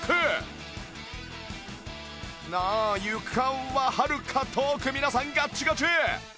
まずはあ床ははるか遠く皆さんガッチガチ！